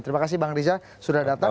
terima kasih bang riza sudah datang